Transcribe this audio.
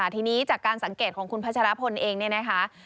ที่นี้จากสังเกตของผจภพลเองเนี่ยนะครับ